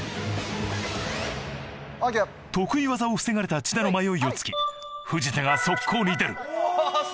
得意技を防がれた千田の迷いをつき藤田が速攻に出る。